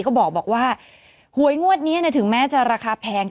ก็บอกว่าหวยงวดนี้ถึงแม้จะราคาแพง